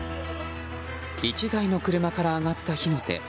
１台の車から上がった火の手。